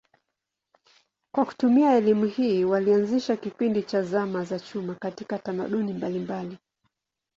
Kwa kutumia elimu hii walianzisha kipindi cha zama za chuma katika tamaduni mbalimbali.